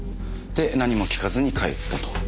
で何も聞かずに帰ったと。